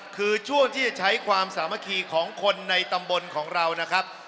คือช่วงที่จะใช้ความสามัคคีของคนในตำบลของเรานะครับ